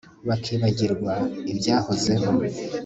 bakibagirwa ibyahozeho